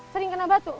sering kena batu